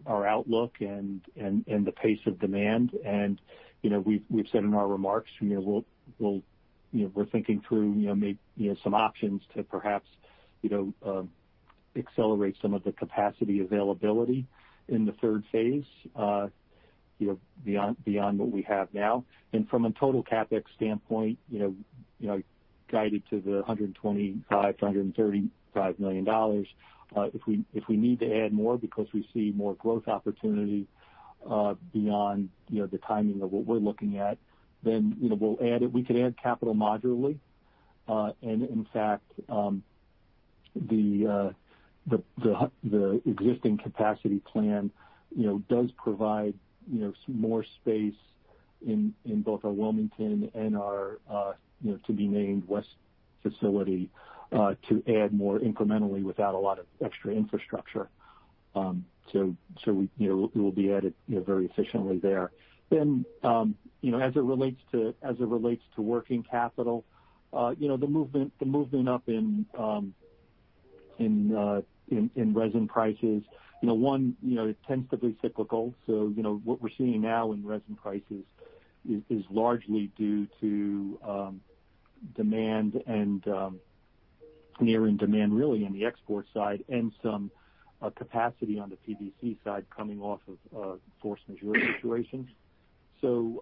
our outlook and the pace of demand. We've said in our remarks, we're thinking through some options to perhaps accelerate some of the capacity availability in the third phase beyond what we have now. From a total CapEx standpoint, guided to the $125 million-$135 million. If we need to add more because we see more growth opportunity beyond the timing of what we're looking at, then we could add capital modularly. In fact, the existing capacity plan does provide more space in both our Wilmington and our to-be-named west facility to add more incrementally without a lot of extra infrastructure. It will be added very efficiently there. As it relates to working capital, the movement up in resin prices. One, it tends to be cyclical. What we're seeing now in resin prices is largely due to demand and nearing demand really on the export side and some capacity on the PVC side coming off of force majeure situations. There's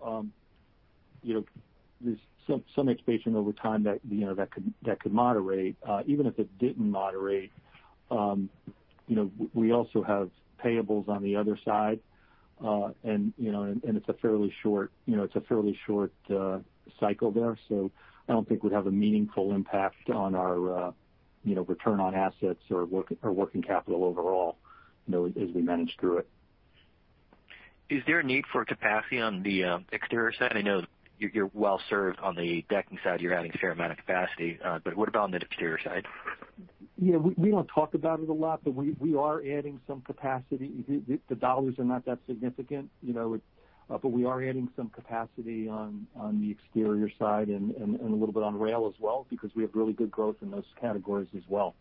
some expectation over time that could moderate. Even if it didn't moderate, we also have payables on the other side, and it's a fairly short cycle there. I don't think we'd have a meaningful impact on our return on assets or working capital overall as we manage through it. Is there a need for capacity on the exterior side? I know you're well-served on the decking side. You're adding a fair amount of capacity. What about on the exterior side? Yeah, we don't talk about it a lot, but we are adding some capacity. The dollars are not that significant. We are adding some capacity on the exterior side and a little bit on rail as well, because we have really good growth in those categories as well.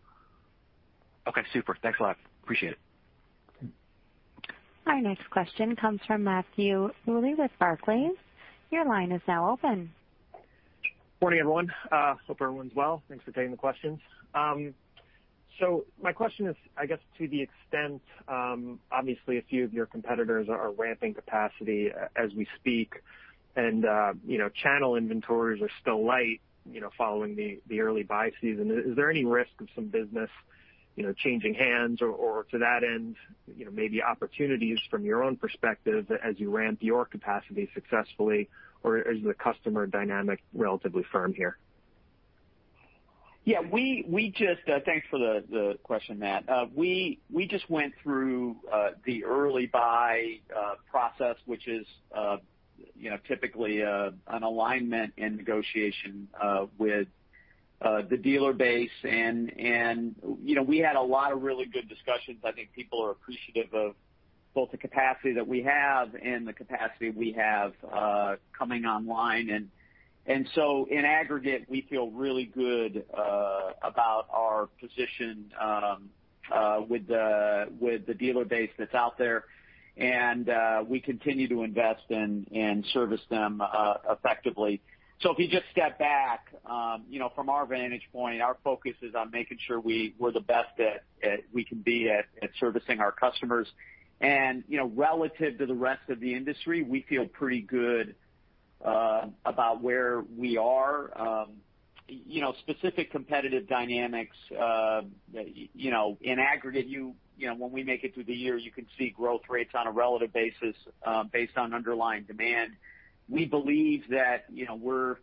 Okay, super. Thanks a lot. Appreciate it. Our next question comes from Matthew Bouley with Barclays. Your line is now open. Morning, everyone. Hope everyone's well. Thanks for taking the questions. My question is, I guess to the extent, obviously a few of your competitors are ramping capacity as we speak, and channel inventories are still light following the early buy season. Is there any risk of some business changing hands or to that end, maybe opportunities from your own perspective as you ramp your capacity successfully, or is the customer dynamic relatively firm here? Thanks for the question, Matt. We just went through the early buy process, which is typically an alignment and negotiation with the dealer base. We had a lot of really good discussions. I think people are appreciative of both the capacity that we have and the capacity we have coming online. In aggregate, we feel really good about our position with the dealer base that's out there. We continue to invest in and service them effectively. If you just step back from our vantage point, our focus is on making sure we're the best that we can be at servicing our customers. Relative to the rest of the industry, we feel pretty good about where we are. Specific competitive dynamics, in aggregate, when we make it through the years, you can see growth rates on a relative basis based on underlying demand. We believe that we're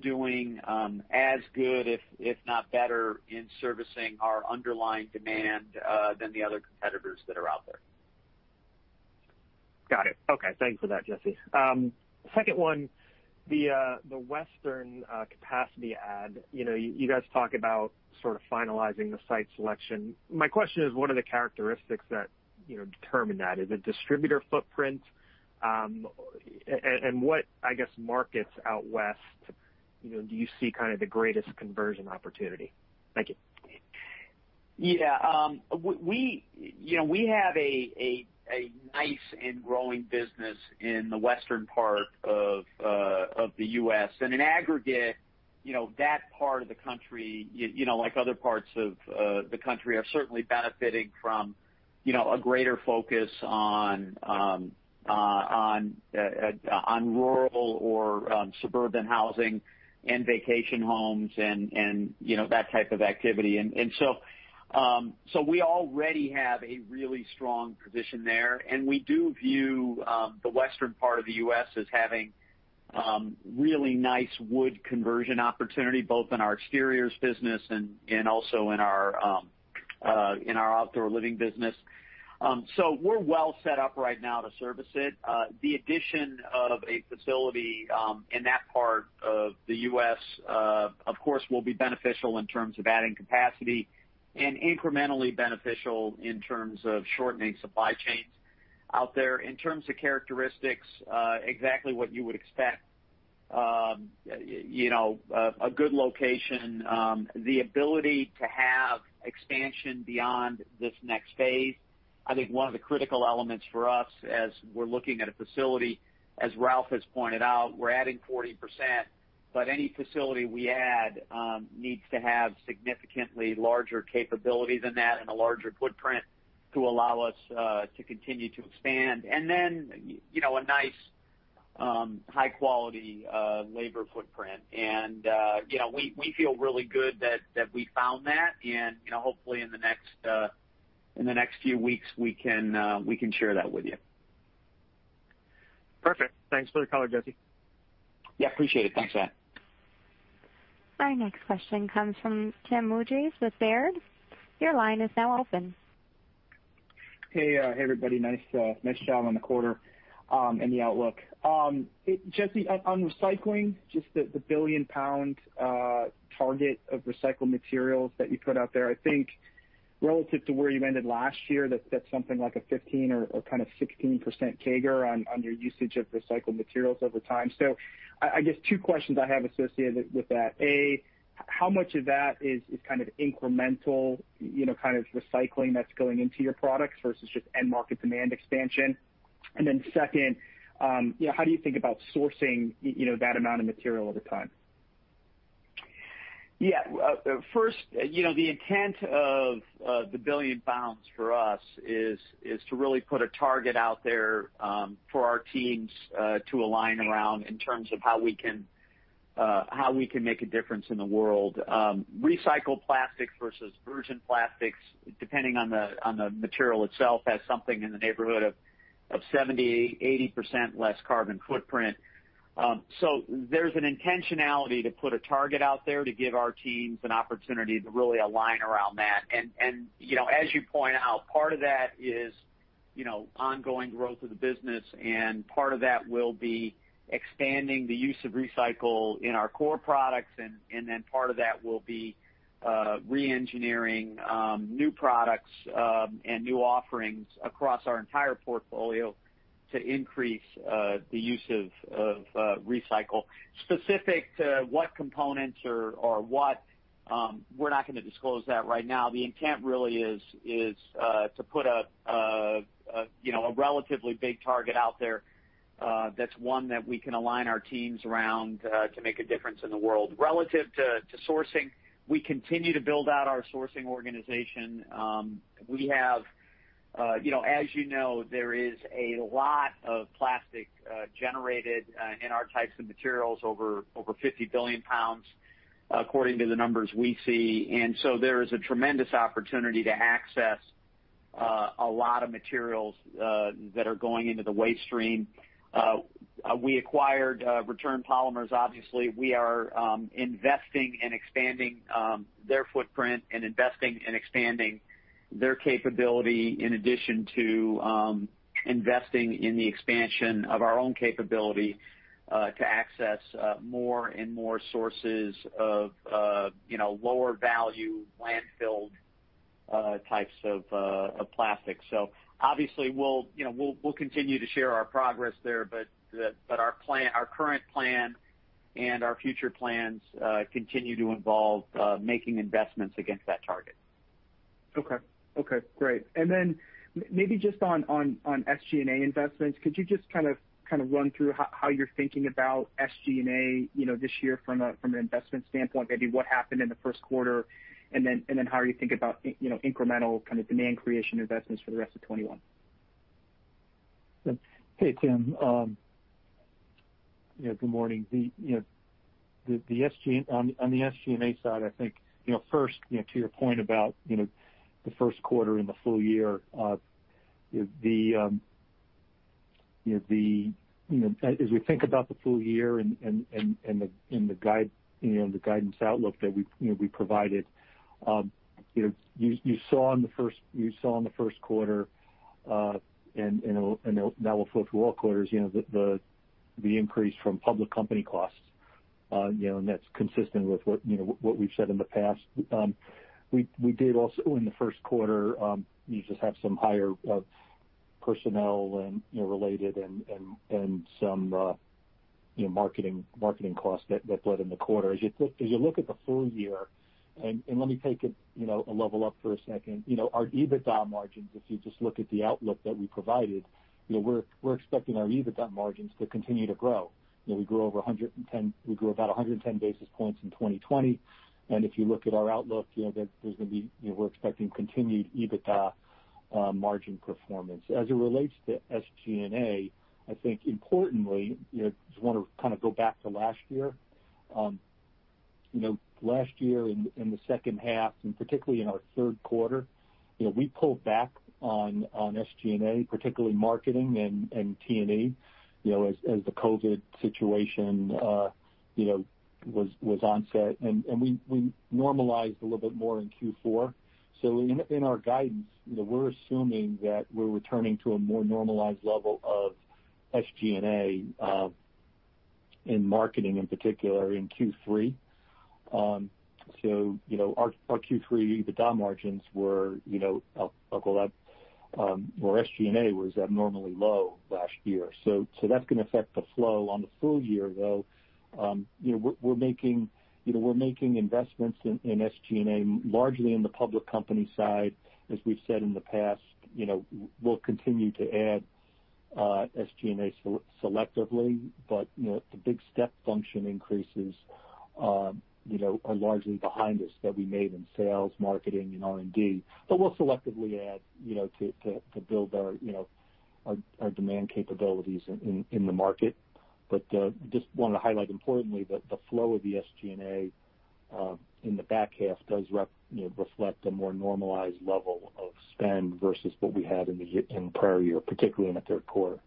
doing as good, if not better, in servicing our underlying demand than the other competitors that are out there. Got it. Okay. Thanks for that, Jesse. Second one, the Western capacity add. You guys talk about sort of finalizing the site selection. My question is, what are the characteristics that determine that? Is it distributor footprint? What markets out West do you see kind of the greatest conversion opportunity? Thank you. Yeah. We have a nice and growing business in the western part of the U.S. In aggregate, that part of the country, like other parts of the country, are certainly benefiting from a greater focus on rural or suburban housing and vacation homes and that type of activity. We already have a really strong position there, and we do view the western part of the U.S. as having really nice wood conversion opportunity, both in our exteriors business and also in our outdoor living business. We're well set up right now to service it. The addition of a facility in that part of the U.S. of course, will be beneficial in terms of adding capacity and incrementally beneficial in terms of shortening supply chains out there. In terms of characteristics, exactly what you would expect. A good location. The ability to have expansion beyond this next phase. I think one of the critical elements for us as we're looking at a facility, as Ralph has pointed out, we're adding 40%, but any facility we add needs to have significantly larger capability than that and a larger footprint to allow us to continue to expand. A nice high-quality labor footprint. We feel really good that we found that, and hopefully in the next few weeks, we can share that with you. Perfect. Thanks for the color, Jesse. Yeah, appreciate it. Thanks, Matt. Our next question comes from Tim Wojs with Baird. Your line is now open. Hey everybody. Nice job on the quarter and the outlook. Jesse, on recycling, just the billion-pound target of recycled materials that you put out there. I think relative to where you ended last year, that's something like a 15% or kind of 16% CAGR on your usage of recycled materials over time. I guess two questions I have associated with that. A, how much of that is kind of incremental kind of recycling that's going into your products versus just end market demand expansion? Second, how do you think about sourcing that amount of material over time? Yeah. First, the intent of the billion pounds for us is to really put a target out there for our teams to align around in terms of how we can make a difference in the world. Recycled plastic versus virgin plastics, depending on the material itself, has something in the neighborhood of 70%-80% less carbon footprint. There's an intentionality to put a target out there to give our teams an opportunity to really align around that. As you point out, part of that is ongoing growth of the business, and part of that will be expanding the use of recycle in our core products, and then part of that will be re-engineering new products and new offerings across our entire portfolio to increase the use of recycle. Specific to what components or what, we're not going to disclose that right now. The intent really is to put a relatively big target out there that's one that we can align our teams around to make a difference in the world. Relative to sourcing, we continue to build out our sourcing organization. As you know, there is a lot of plastic generated in our types of materials, over 50 billion pounds, according to the numbers we see. There is a tremendous opportunity to access a lot of materials that are going into the waste stream. We acquired Return Polymers, obviously. We are investing in expanding their footprint and investing in expanding their capability, in addition to investing in the expansion of our own capability to access more and more sources of lower value, landfilled types of plastic. Obviously, we'll continue to share our progress there, but our current plan and our future plans continue to involve making investments against that target. Okay. Great. Maybe just on SG&A investments, could you just run through how you're thinking about SG&A this year from an investment standpoint? Maybe what happened in the first quarter, and then how are you thinking about incremental demand creation investments for the rest of 2021? Hey, Tim. Good morning. On the SG&A side, I think first, to your point about the first quarter and the full year, as we think about the full year and the guidance outlook that we provided, you saw in the first quarter, and that will flow through all quarters, the increase from public company costs. That's consistent with what we've said in the past. We did also in the first quarter, you just have some higher personnel related and some marketing costs that bled in the quarter. As you look at the full year, let me take it a level up for a second. Our EBITDA margins, if you just look at the outlook that we provided, we're expecting our EBITDA margins to continue to grow. We grew about 110 basis points in 2020. If you look at our outlook, we're expecting continued EBITDA margin performance. As it relates to SG&A, I think importantly, just want to go back to last year. Last year in the second half, and particularly in our third quarter, we pulled back on SG&A, particularly marketing and T&E, as the COVID situation was onset. We normalized a little bit more in Q4. In our guidance, we're assuming that we're returning to a more normalized level of SG&A in marketing, in particular in Q3. Our Q3 EBITDA margins were up, or SG&A was abnormally low last year. That's going to affect the flow on the full year, though. We're making investments in SG&A largely in the public company side. As we've said in the past, we'll continue to add SG&A selectively, but the big step function increases are largely behind us that we made in sales, marketing, and R&D. We'll selectively add to build our demand capabilities in the market. Just wanted to highlight importantly that the flow of the SG&A in the back half does reflect a more normalized level of spend versus what we had in the prior year, particularly in the third quarter.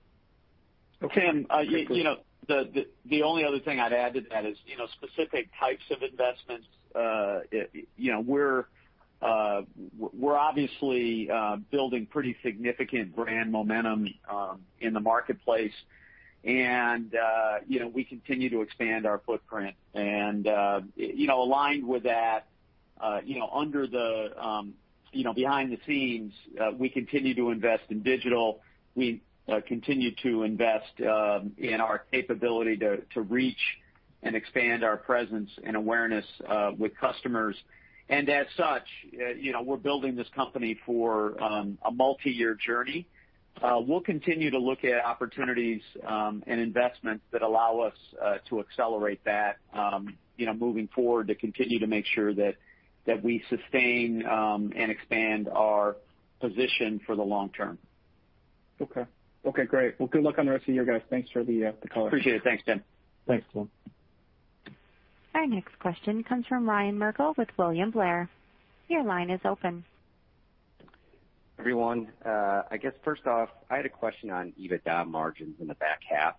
Tim, the only other thing I'd add to that is specific types of investments. We're obviously building pretty significant brand momentum in the marketplace, and we continue to expand our footprint. Aligned with that, behind the scenes, we continue to invest in digital. We continue to invest in our capability to reach. Expand our presence and awareness with customers. As such, we're building this company for a multi-year journey. We'll continue to look at opportunities and investments that allow us to accelerate that moving forward to continue to make sure that we sustain and expand our position for the long term. Okay. Okay, great. Well, good luck on the rest of your guys. Thanks for the color. Appreciate it. Thanks, Tim. Thanks, Tim. Our next question comes from Ryan Merkel with William Blair. Your line is open. Everyone. I guess first off, I had a question on EBITDA margins in the back half.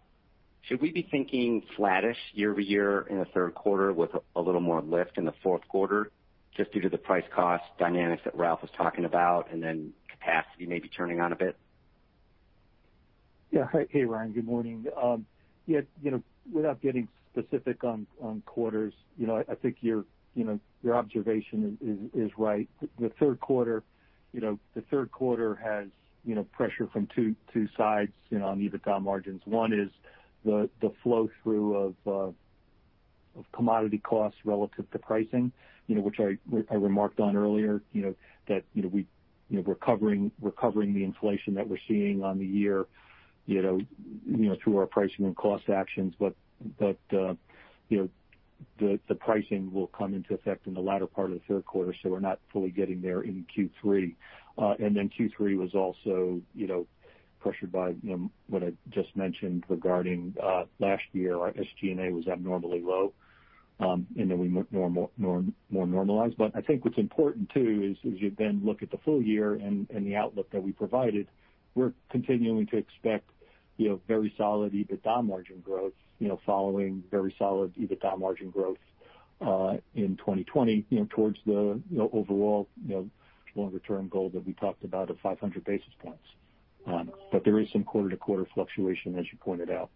Should we be thinking flattish year-over-year in the third quarter with a little more lift in the fourth quarter just due to the price cost dynamics that Ralph was talking about and then capacity maybe turning on a bit? Yeah. Hey, Ryan. Good morning. Without getting specific on quarters, I think your observation is right. The third quarter has pressure from two sides on EBITDA margins. One is the flow-through of commodity costs relative to pricing which I remarked on earlier, that we're covering the inflation that we're seeing on the year through our pricing and cost actions. The pricing will come into effect in the latter part of the third quarter, so we're not fully getting there in Q3. Q3 was also pressured by what I just mentioned regarding last year, our SG&A was abnormally low, and then we more normalized. I think what's important too is as you then look at the full year and the outlook that we provided, we're continuing to expect very solid EBITDA margin growth following very solid EBITDA margin growth in 2020 towards the overall longer-term goal that we talked about of 500 basis points. There is some quarter-to-quarter fluctuation, as you pointed out.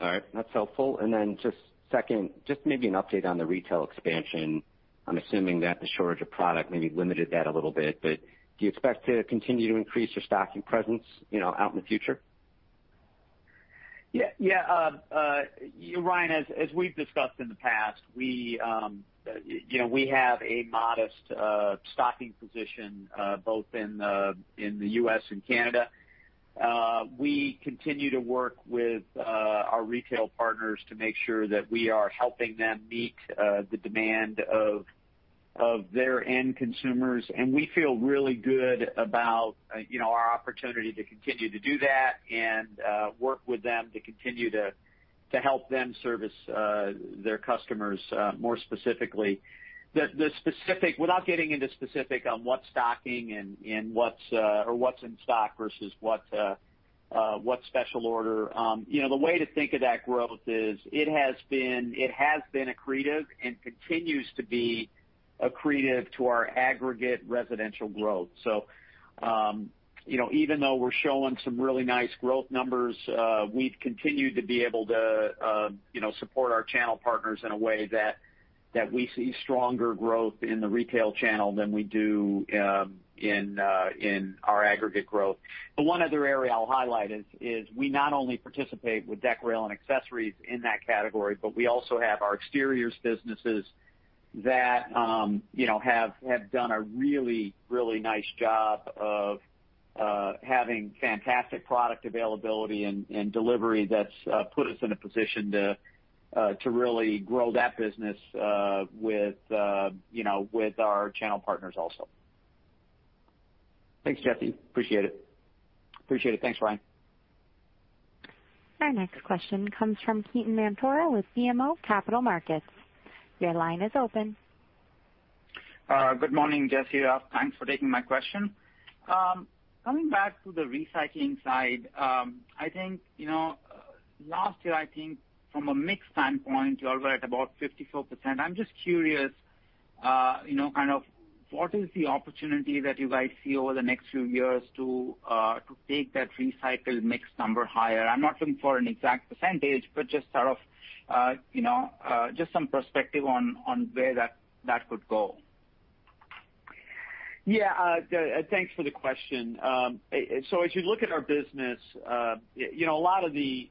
All right. That's helpful. Then just second, just maybe an update on the retail expansion. I'm assuming that the shortage of product maybe limited that a little bit, but do you expect to continue to increase your stocking presence out in the future? Yeah. Ryan, as we've discussed in the past, we have a modest stocking position both in the U.S. and Canada. We continue to work with our retail partners to make sure that we are helping them meet the demand of their end consumers, and we feel really good about our opportunity to continue to do that and work with them to continue to help them service their customers more specifically. Without getting into specific on what stocking or what's in stock versus what special order. The way to think of that growth is it has been accretive and continues to be accretive to our aggregate residential growth. Even though we're showing some really nice growth numbers, we've continued to be able to support our channel partners in a way that we see stronger growth in the retail channel than we do in our aggregate growth. One other area I'll highlight is we not only participate with deck rail and accessories in that category, but we also have our exteriors businesses that have done a really, really nice job of having fantastic product availability and delivery that's put us in a position to really grow that business with our channel partners also. Thanks, Jesse. Appreciate it. Appreciate it. Thanks, Ryan. Our next question comes from Ketan Mamtora with BMO Capital Markets. Your line is open. Good morning, Jesse, Ralph. Thanks for taking my question. Coming back to the recycling side. Last year, I think from a mix standpoint, you all were at about 54%. I'm just curious, kind of what is the opportunity that you guys see over the next few years to take that recycled mix number higher? I'm not looking for an exact percentage, but just some perspective on where that could go. Yeah. Thanks for the question. As you look at our business, a lot of the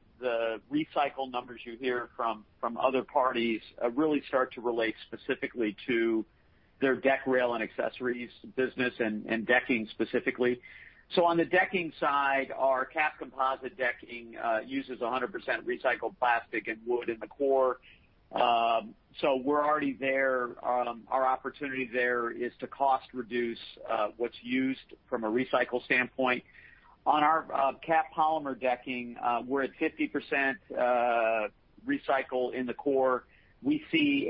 recycle numbers you hear from other parties really start to relate specifically to their deck rail and accessories business and decking specifically. On the decking side, our capped composite decking uses 100% recycled plastic and wood in the core. We're already there. Our opportunity there is to cost reduce what's used from a recycle standpoint. On our capped polymer decking, we're at 50% recycle in the core. We see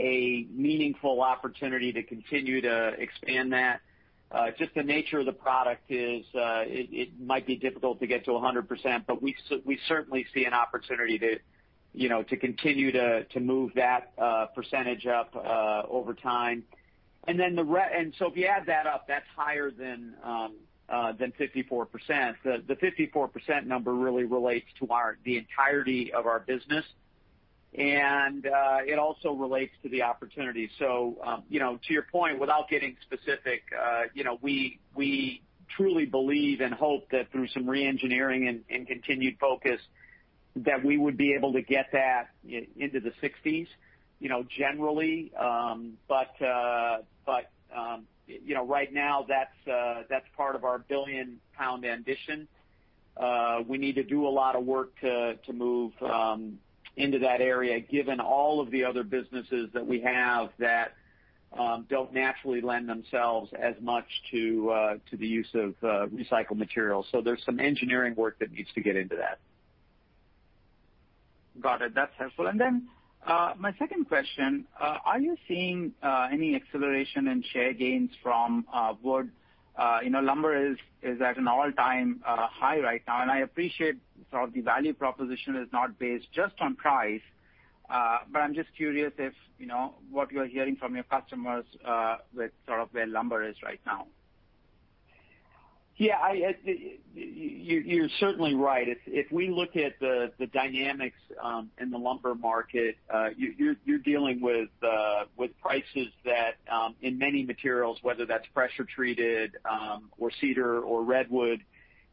a meaningful opportunity to continue to expand that. Just the nature of the product is it might be difficult to get to 100%, but we certainly see an opportunity to continue to move that percentage up over time. If you add that up, that's higher than 54%. The 54% number really relates to the entirety of our business, and it also relates to the opportunity. To your point, without getting specific, we truly believe and hope that through some re-engineering and continued focus. That we would be able to get that into the 60s% generally. Right now, that's part of our billion-pound ambition. We need to do a lot of work to move into that area, given all of the other businesses that we have that don't naturally lend themselves as much to the use of recycled materials. There's some engineering work that needs to get into that. Got it. That's helpful. Then, my second question, are you seeing any acceleration in share gains from wood? Lumber is at an all-time high right now, and I appreciate the value proposition is not based just on price. I'm just curious what you're hearing from your customers with sort of where lumber is right now. Yeah. You're certainly right. If we look at the dynamics in the lumber market, you're dealing with prices that in many materials, whether that's pressure treated or cedar or redwood,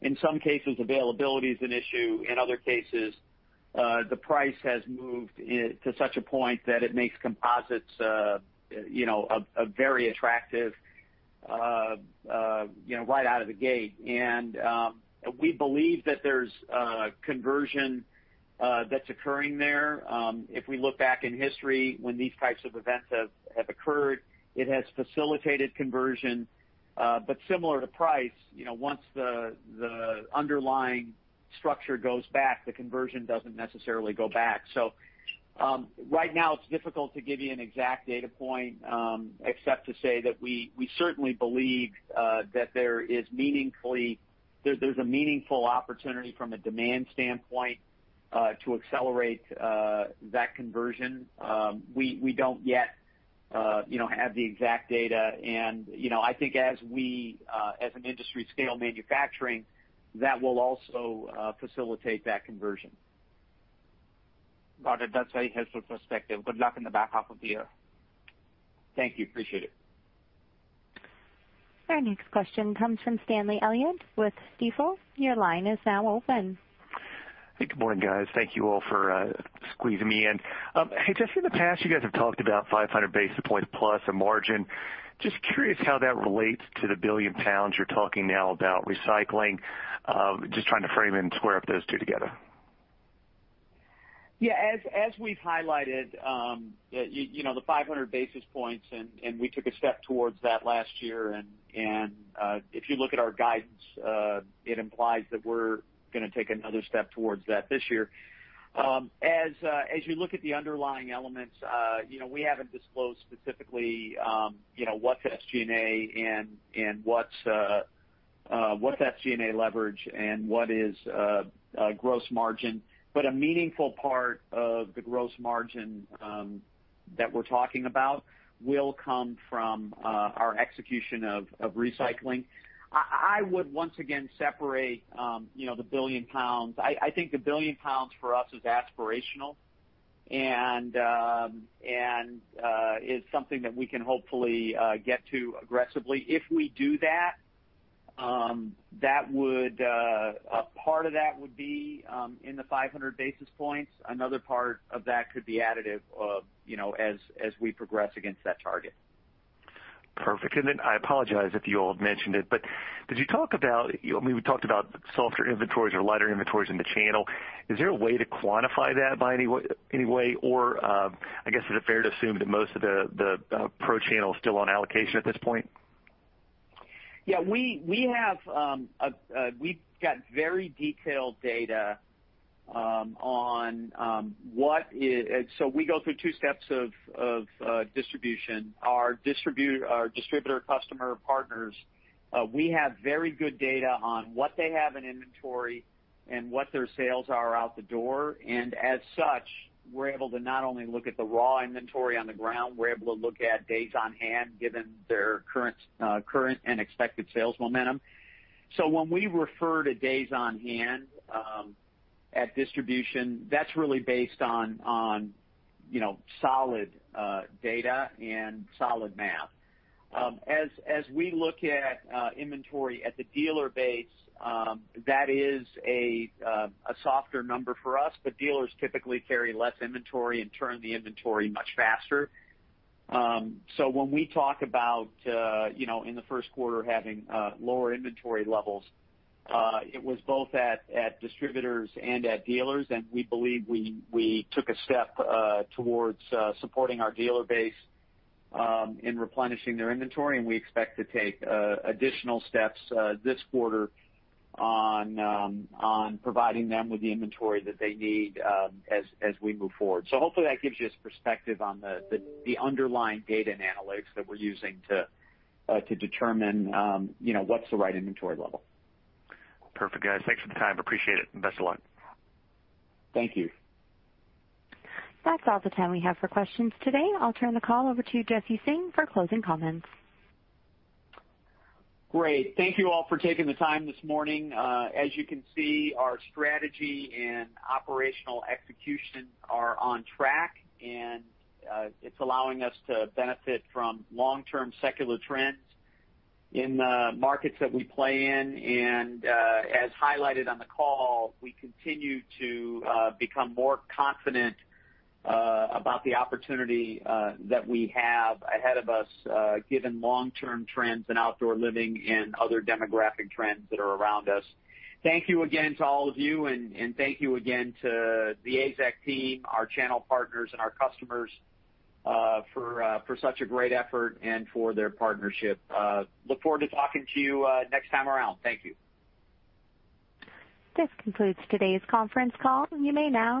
in some cases, availability is an issue. In other cases, the price has moved to such a point that it makes composites very attractive right out of the gate. We believe that there's conversion that's occurring there. If we look back in history when these types of events have occurred, it has facilitated conversion. Similar to price, once the underlying structure goes back, the conversion doesn't necessarily go back. Right now it's difficult to give you an exact data point, except to say that we certainly believe that there's a meaningful opportunity from a demand standpoint to accelerate that conversion. We don't yet have the exact data. I think as an industry scale manufacturing, that will also facilitate that conversion. Got it. That's very helpful perspective. Good luck in the back half of the year. Thank you. Appreciate it. Our next question comes from Stanley Elliott with Stifel. Your line is now open. Hey, good morning, guys. Thank you all for squeezing me in. Just in the past, you guys have talked about 500 basis points plus a margin. Just curious how that relates to the 1 billion pounds you're talking now about recycling. Just trying to frame and square up those two together. Yeah. As we've highlighted, the 500 basis points, and we took a step towards that last year. If you look at our guidance, it implies that we're going to take another step towards that this year. As you look at the underlying elements, we haven't disclosed specifically what's SG&A and what's SG&A leverage and what is gross margin. A meaningful part of the gross margin that we're talking about will come from our execution of recycling. I would once again separate the billion pounds. I think the billion pounds for us is aspirational and is something that we can hopefully get to aggressively. If we do that, a part of that would be in the 500 basis points. Another part of that could be additive as we progress against that target. Perfect. I apologize if you all have mentioned it, but We talked about softer inventories or lighter inventories in the channel. Is there a way to quantify that by any way? I guess, is it fair to assume that most of the pro channel is still on allocation at this point? Yeah. We've got very detailed data. We go through two steps of distribution. Our distributor customer partners, we have very good data on what they have in inventory and what their sales are out the door. As such, we're able to not only look at the raw inventory on the ground. We're able to look at days on hand given their current and expected sales momentum. When we refer to days on hand at distribution, that's really based on solid data and solid math. As we look at inventory at the dealer base, that is a softer number for us, dealers typically carry less inventory and turn the inventory much faster. When we talk about in the first quarter having lower inventory levels, it was both at distributors and at dealers. We believe we took a step towards supporting our dealer base in replenishing their inventory, and we expect to take additional steps this quarter on providing them with the inventory that they need as we move forward. Hopefully that gives you a perspective on the underlying data and analytics that we're using to determine what's the right inventory level. Perfect, guys. Thanks for the time. Appreciate it, and best of luck. Thank you. That's all the time we have for questions today. I'll turn the call over to Jesse Singh for closing comments. Great. Thank you all for taking the time this morning. As you can see, our strategy and operational execution are on track, and it's allowing us to benefit from long-term secular trends in the markets that we play in. As highlighted on the call, we continue to become more confident about the opportunity that we have ahead of us given long-term trends in outdoor living and other demographic trends that are around us. Thank you again to all of you, and thank you again to the AZEK team, our channel partners, and our customers for such a great effort and for their partnership. Look forward to talking to you next time around. Thank you. This concludes today's conference call. You may now disconnect.